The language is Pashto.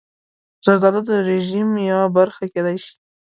زردالو د رژیم یوه برخه کېدای شي.